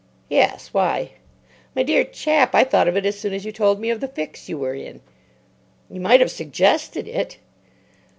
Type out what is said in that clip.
"Yes. Why?" "My dear chap, I thought of it as soon as you told me of the fix you were in." "You might have suggested it."